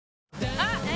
あっ！！！え？？